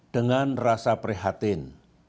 dengan rasa prihatin